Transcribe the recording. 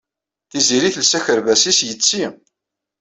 Tiziri telsa akerbas-is yetti.